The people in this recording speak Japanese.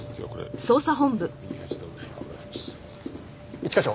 一課長。